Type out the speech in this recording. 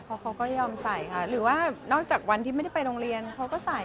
เพราะเขาก็ยอมใส่ค่ะหรือว่านอกจากวันที่ไม่ได้ไปโรงเรียนเขาก็ใส่